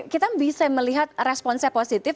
kita bisa melihat responsnya positif